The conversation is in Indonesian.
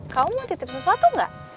kamu mau titip sesuatu nggak